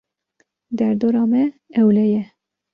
Derdora me ewle ye.